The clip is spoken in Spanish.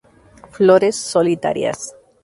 Flores solitarias.